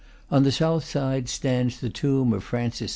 On the south side stands the tomb of Francis II.